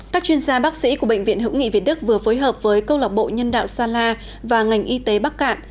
các chuyên gia bác sĩ của bệnh viện hữu nghị việt đức vừa phối hợp với câu lạc bộ nhân đạo sala và ngành y tế bắc cạn